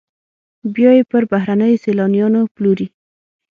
بیا یې پر بهرنیو سیلانیانو پلوري